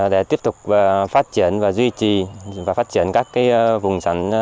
để tiếp tục phát triển và duy trì và phát triển các vùng sản